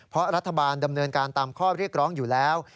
เพราะรัฐบาลดำเนินการตามข้อเรียกร้องอยู่แล้ว